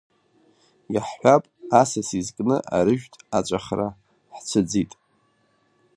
Иаҳҳәап, асас изкны арыжәтә аҵәахра ҳцәыӡит.